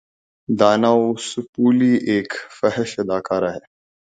دانا وسپولی ایک فحش اداکارہ ہے